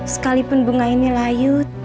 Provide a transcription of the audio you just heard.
sekalipun bunga ini layu